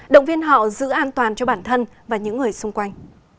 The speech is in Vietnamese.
động viên họ giữ an toàn cho bản thân và những người xung quanh